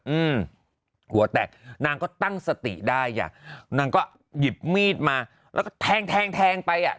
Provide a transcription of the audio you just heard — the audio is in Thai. อืมหัวแตกนางก็ตั้งสติได้อ่ะนางก็หยิบมีดมาแล้วก็แทงแทงแทงไปอ่ะ